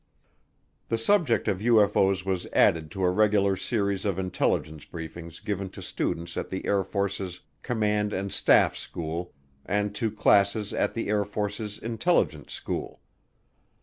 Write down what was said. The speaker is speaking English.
The subject of UFO's was added to a regular series of intelligence briefings given to students at the Air Force's Command and Staff School, and to classes at the Air Force's Intelligence School.